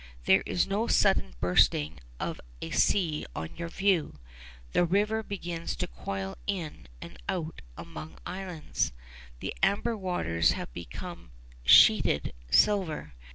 There is no sudden bursting of a sea on your view. The river begins to coil in and out among islands. The amber waters have become sheeted silver.